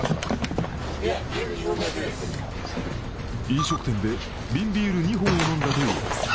飲食店で瓶ビール２本を飲んだと言います。